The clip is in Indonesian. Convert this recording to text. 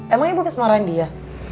emang ibu bisa marahin dia